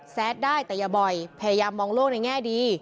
แซดได้แต่อย่าบ่อยพยายามมองโลกในแง่ดี